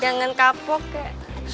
jangan kapok ya